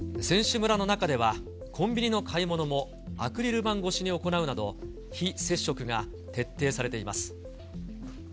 選手村の中では、コンビニの買い物も、アクリル板越しに行うなど、非接触が徹底されています。